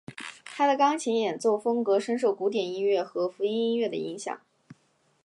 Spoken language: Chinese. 他的钢琴演奏风格深受古典音乐和福音音乐的影响。